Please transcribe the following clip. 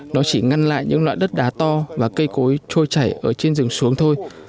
nó chỉ ngăn lại những loại đất đá to và cây cối trôi chảy ở trên rừng xuống thôi